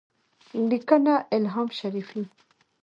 لیکنه : الهام شریفي